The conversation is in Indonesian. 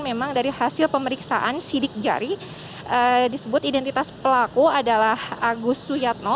memang dari hasil pemeriksaan sidik jari disebut identitas pelaku adalah agus suyatno